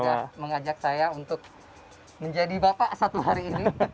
saya mengajak saya untuk menjadi bapak satu hari ini